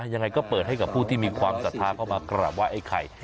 ยังไงก็เปิดให้กับผู้ที่มีความศรัทธาเข้ามากราบไห้ไอ้ไข่